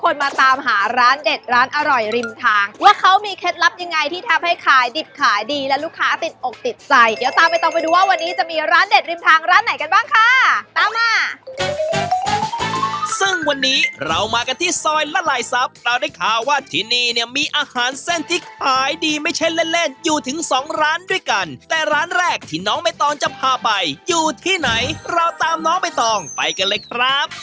ร้านเด็ดริมทางร้านไหนกันบ้างค่ะตามมาซึ่งวันนี้เรามากันที่ซอยละไหลซับเราได้ค่าว่าที่นี่เนี่ยมีอาหารเส้นทิ๊กหายดีไม่ใช่เล่นอยู่ถึงสองร้านด้วยกันแต่ร้านแรกที่น้องไม่ต้องจะพาไปอยู่ที่ไหนเราตามน้องไม่ต้องไปกันเลยครับ